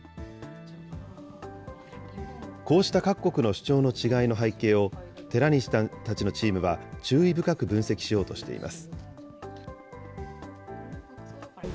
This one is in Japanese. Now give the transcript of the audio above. こうした各国の主張の違いの背景を、寺西さんたちのチームは注意深く分析しようとしています。